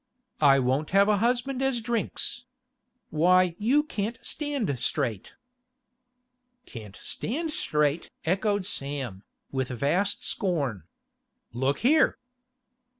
I won't have a husband as drinks! Why, you can't stand straight.' 'Can't stand straight!' echoed Sam, with vast scorn. 'Look here!